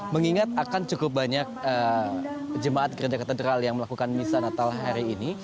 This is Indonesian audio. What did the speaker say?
mengingat akan cukup banyak jemaat gereja katedral yang melakukan misa natal hari ini